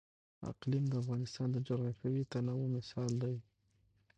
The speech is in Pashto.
اقلیم د افغانستان د جغرافیوي تنوع مثال دی.